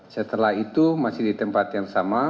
setelah itu masih di tempat yang sama